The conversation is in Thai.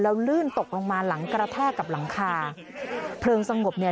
แล้วลื่นตกลงมาหลังกระแทกกับหลังคาเพลิงสงบเนี่ย